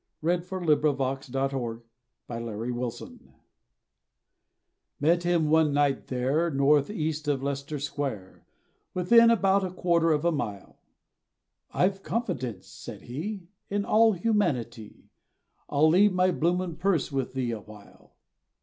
[Decoration] [Illustration: A Confidential Sonnet] I MET him one night there, North east of Leicester Square, Within about a quarter of a mile, "I've confidence," said he, "In all humanity, I'll leave my bloomin' purse with thee awhile!"